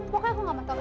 pokoknya aku gak mau tau